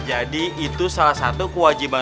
jadi itu salah satu kewajiban